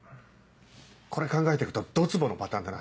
これ考えて行くとどつぼのパターンだな。